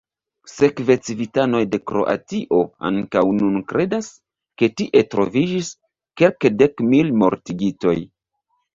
Sekve civitanoj de Kroatio ankaŭ nun kredas, ke tie troviĝis kelkdekmil mortigitoj.